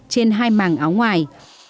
trên hai màng áo ngoài